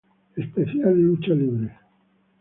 Especial Lucha Libre".